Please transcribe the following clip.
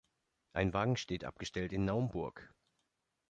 Ein Wagen steht abgestellt in Naumburg.